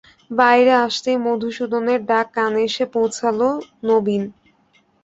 বাইরে আসতেই মধুসূদনের ডাক কানে এসে পৌঁছোল, নবীন।